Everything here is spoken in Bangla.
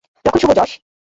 লক্ষণ শুভ, জশ!